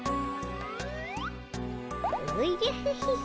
おじゃヒヒヒ。